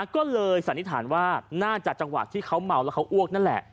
ก็เลยสันนิษฐานว่าน่าจะจังหวะที่เขาเมาแล้วเขาอ้วกนั่นแหละ